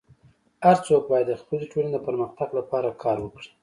هر څوک باید د خپلي ټولني د پرمختګ لپاره کار وکړي.